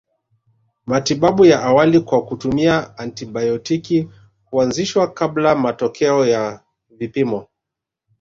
Matibabu ya awali kwa kutumia antibayotiki huanzishwa kabla matokeo ya vipimo